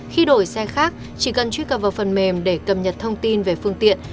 khi đổi xe khác chỉ cần truy cập vào phần mềm để cập nhật thông tin về phương tiện